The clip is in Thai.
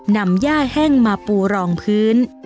นำย่าแห้งมาปูรองพื้น